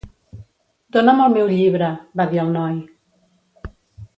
"Dóna'm el meu llibre", va dir el noi.